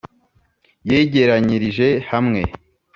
yegeranyirije hamwe